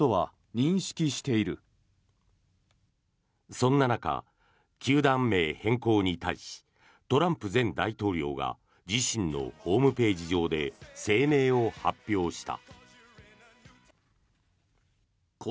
そんな中、球団名変更に対しトランプ前大統領が自身のホームページ上で声明を発表した。